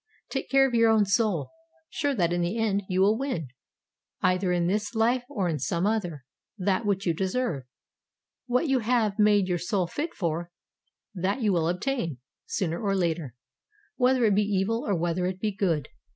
Take care of your own soul, sure that in the end you will win, either in this life or in some other, that which you deserve. What you have made your soul fit for, that you will obtain, sooner or later, whether it be evil or whether it be good.